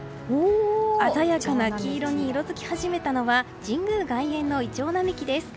鮮やかな黄色に色づき始めたのは神宮外苑のイチョウ並木です。